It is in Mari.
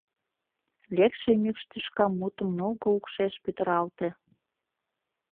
Лекше мӱкш тӱшка мутык нулго укшеш пӱтыралте.